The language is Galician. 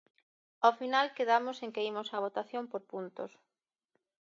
Ao final, quedamos en que imos á votación por puntos.